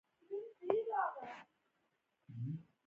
لمریز ځواک د ټولو افغان ښځو په ژوند کې یو ډېر مهم رول لري.